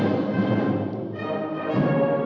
lagu kebangsaan indonesia raya